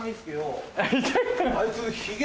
あいつ。